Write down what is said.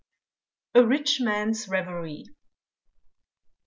A RICH MAN'S REVERIE.